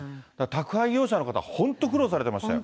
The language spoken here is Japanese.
宅配業者の方、本当、苦労されてましたよ。